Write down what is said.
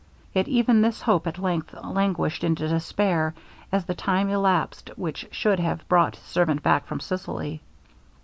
Yet even this hope at length languished into despair, as the time elapsed which should have brought his servant from Sicily.